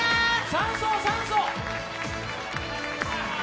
酸素、酸素！